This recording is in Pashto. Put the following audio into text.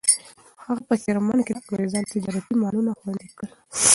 هغه په کرمان کې د انګریزانو تجارتي مالونه خوندي کړل.